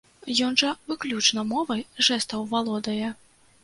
Ён жа выключна мовай жэстаў валодае.